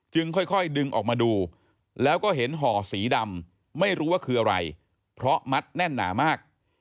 ค่อยดึงออกมาดูแล้วก็เห็นห่อสีดำไม่รู้ว่าคืออะไรเพราะมัดแน่นหนามาก